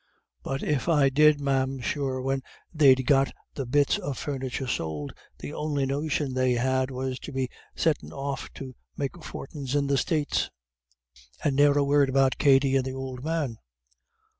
But if I did, ma'am, sure when they'd got the bits of furniture sold, the on'y notion they had was to be settin' off to make fortins in the States, and ne'er a word about Katty and th' ould man.